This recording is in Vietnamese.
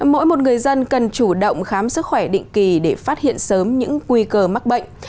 mỗi một người dân cần chủ động khám sức khỏe định kỳ để phát hiện sớm những nguy cơ mắc bệnh